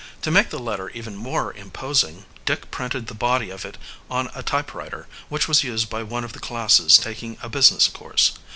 To make the letter even more imposing, Dick printed the body of it on a typewriter which was used by one of the classes taking a business course.